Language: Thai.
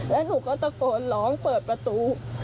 แล้วหนูก็ตะโกนร้องเปิดประตู